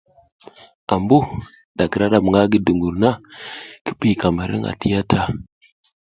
Ambu da k ira ram nga gi dungur na, ki kiykam hirnga ti ya ta.